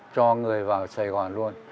cho người vào sài gòn luôn